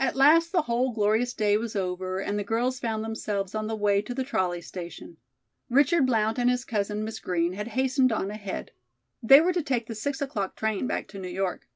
At last the whole glorious day was over and the girls found themselves on the way to the trolley station. Richard Blount and his cousin, Miss Green, had hastened on ahead. They were to take the six o'clock train back to New York.